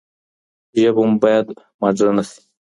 ژبه مو بايد ماډرنه شي.